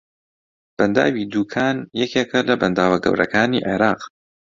بەنداوی دووکان یەکێکە لە بەنداوە گەورەکانی عێراق